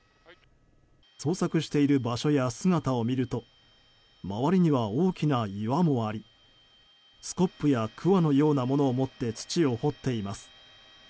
捜索している場所や姿を見ると周りには大きな岩もありスコップやクワのようなものを持って土を掘っています。